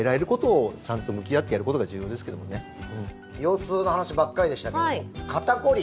腰痛の話ばかりでしたけど、肩凝り。